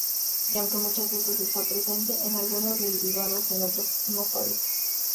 Y aunque muchas veces está presente en algunos derivados en otros no aparece.